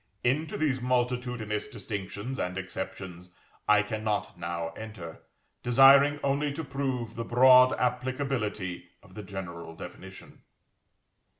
Into these multitudinous distinctions and exceptions I cannot now enter, desiring only to prove the broad applicability of the general definition.